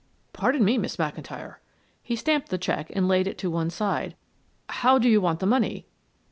"Pardon me, Miss McIntyre." He stamped the check and laid it to one side, "how do you want the money?"